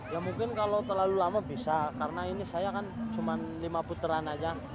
ya mungkin kalau terlalu lama bisa karena ini saya kan cuma lima puteran aja